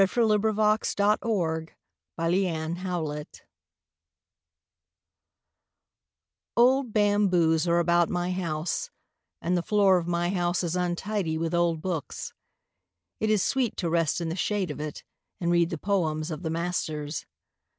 _ ANNAM THE BAMBOO GARDEN Old bamboos are about my house, And the floor of my house is untidy with old books. It is sweet to rest in the shade of it And read the poems of the masters.